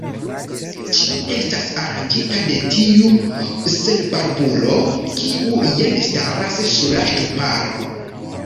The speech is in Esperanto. Ĉio estas aranĝita de tiu senbarbulo, kiu jen staras sur la ŝtuparo.